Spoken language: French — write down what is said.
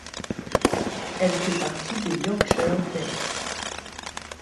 Elle fait partie des Yorkshire Dales.